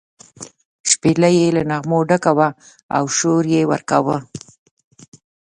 شپېلۍ یې له نغمو ډکه وه او شور یې ورکاوه.